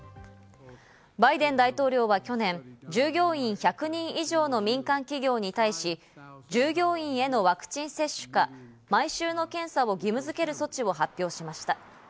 バイデン大統領は去年、従業員１００人以上の民間企業に対し、従業員へのワクチン接種か、毎週の検査を義務づける措置を発表しました。